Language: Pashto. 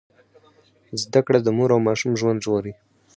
زده کړه د مور او ماشوم ژوند ژغوري۔